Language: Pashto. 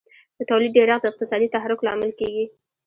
د تولید ډېرښت د اقتصادي تحرک لامل کیږي.